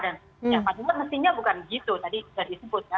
tapi mestinya bukan begitu tadi sudah disebut ya